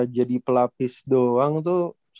jadi pelapis doang tuh